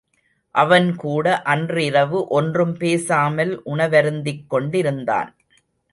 அவன்கூட அன்றிரவு ஒன்றும் பேசாமல் உணவருந்திக்கொண்டிருந்தான்.